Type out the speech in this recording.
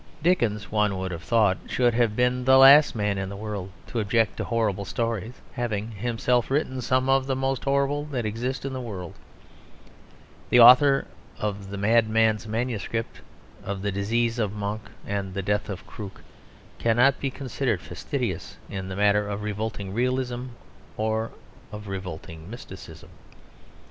Dickens, one would have thought, should have been the last man in the world to object to horrible stories, having himself written some of the most horrible that exist in the world. The author of the Madman's Manuscript, of the disease of Monk and the death of Krook, cannot be considered fastidious in the matter of revolting realism or of revolting mysticism.